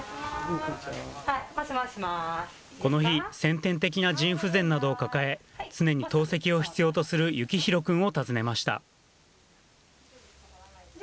この日先天的な腎不全などを抱え常に透析を必要とするゆきひろくんを訪ねました。